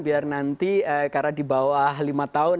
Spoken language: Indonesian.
biar nanti karena di bawah lima tahun